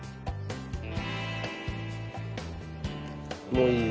もういい？